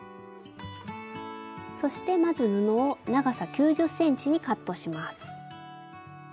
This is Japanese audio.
そしてまず布を長さ９０ｃｍにカットします。